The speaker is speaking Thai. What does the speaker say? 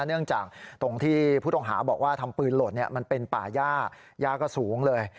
เนื่องจากตรงที่ผู้ต้องหาบอกว่าทำปืนหล่นมันเป็นป่าย่าย่าก็สูงเลย